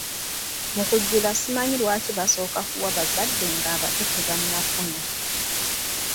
Mu kujjula simanyi lwaki basooka kuwa bazadde ng'abato tebannafuna.